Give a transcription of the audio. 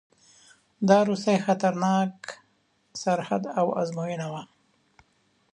دا وروستی خطرناک سرحد او آزموینه وه.